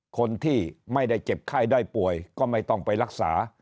คนที่ไม่ได้เจ็บไข้ได้ป่วยก็ไม่ต้องไปรักษา